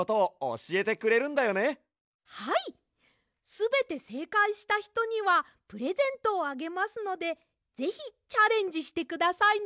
すべてせいかいしたひとにはプレゼントをあげますのでぜひチャレンジしてくださいね！